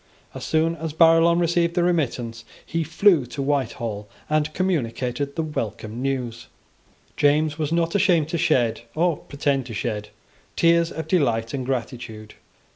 As soon as Barillon received the remittance, he flew to Whitehall, and communicated the welcome news. James was not ashamed to shed, or pretend to shed, tears of delight and gratitude.